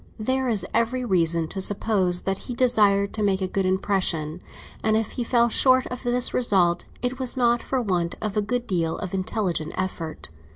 There is every reason to suppose that he desired to make a good impression; and if he fell short of this result, it was not for want of a good deal of intelligent effort.